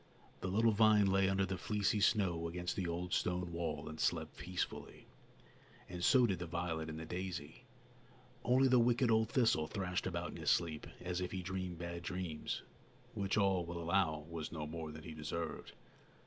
The little vine lay under the fleecy snow against the old stone wall and slept peacefully, and so did the violet and the daisy. Only the wicked old thistle thrashed about in his sleep as if he dreamed bad dreams, which, all will allow, was no more than he deserved.